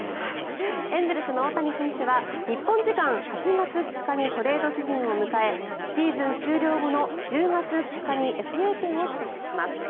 エンゼルスの大谷選手は日本時間８月２日にトレード期限を迎えシーズン終了後の１０月２日にＦＡ権を取得します。